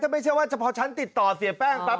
ไม่ใช่ว่าเฉพาะฉันติดต่อเสียแป้งปั๊บ